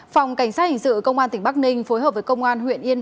phòng cảnh sát hình sự công an tỉnh bắc ninh phối hợp với công an huyện yên